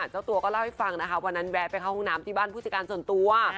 เจ้าตัวก็เล่าให้ฟังนะคะวันนั้นแวะไปเข้าห้องน้ำที่บ้านผู้จัดการส่วนตัว